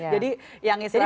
jadi yang istilahnya